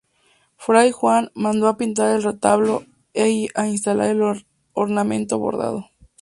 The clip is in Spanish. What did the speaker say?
Fray Juan mandó a pintar el retablo y a instalar el ornamento bordado.